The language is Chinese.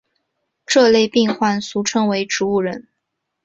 这类病患俗称为植物人。